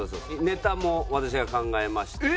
ネタも私が考えまして。